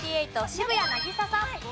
渋谷凪咲さん。